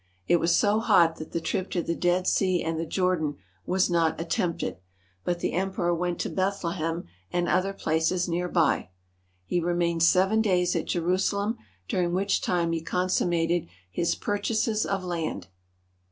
It was so hot that the trip to the Dead Sea and the Jordan was not attempted, but the Emperor went to Bethlehem and other places near by. He remained seven days at Je rusalem, during which time he consummated his pur chases of land.